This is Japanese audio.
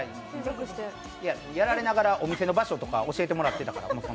やられながらお店の場所とか教えてもらったから。